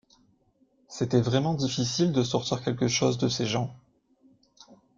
C’était vraiment difficile de sortir quelque chose de ces gens.